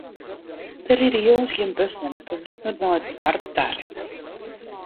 Der ride jûns gjin bussen en it publyk moat nei it doarp ta rinne.